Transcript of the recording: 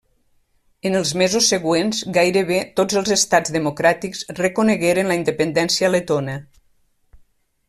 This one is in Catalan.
En els mesos següents gairebé tots els estats democràtics reconegueren la independència letona.